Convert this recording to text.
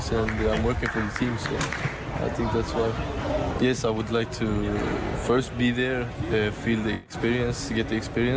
ยังไม่กินหรอกแต่สามารถแก่ชุดตายกับตำรวจทางชั้น